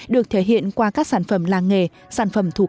được thể hiện qua các tài liệu hiện vật